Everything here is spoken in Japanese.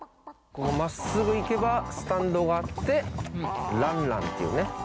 真っすぐ行けばスタンドがあって卵卵っていうね